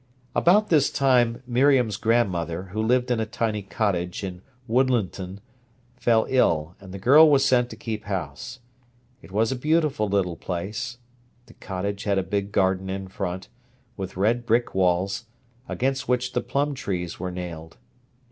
About this time Miriam's grandmother, who lived in a tiny cottage in Woodlinton, fell ill, and the girl was sent to keep house. It was a beautiful little place. The cottage had a big garden in front, with red brick walls, against which the plum trees were nailed.